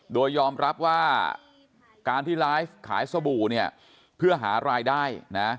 โดยยอมรับว่าการที่ไลฟ์ขายสบู่เนี่ยเพื่อหารายได้นะ